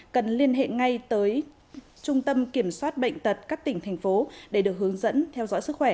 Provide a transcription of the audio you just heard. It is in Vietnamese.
cần liên hệ ngay tới trung tâm kiểm soát bệnh tật các tỉnh thành phố để được hướng dẫn theo dõi sức khỏe